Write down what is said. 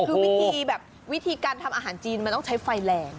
คือวิธีแบบวิธีการทำอาหารจีนมันต้องใช้ไฟแรง